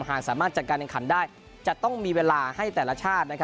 หากสามารถจัดการแข่งขันได้จะต้องมีเวลาให้แต่ละชาติ